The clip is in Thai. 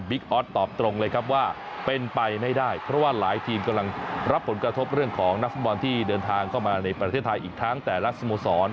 ออสตอบตรงเลยครับว่าเป็นไปไม่ได้เพราะว่าหลายทีมกำลังรับผลกระทบเรื่องของนักฟุตบอลที่เดินทางเข้ามาในประเทศไทยอีกทั้งแต่ละสโมสร